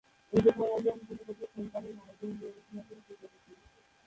এটি কানাডিয়ান বহুজাতিক কোম্পানি নাইকো-এর নিয়ন্ত্রণাধীন একটি প্রতিষ্ঠান।